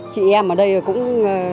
chị em ở đây cũng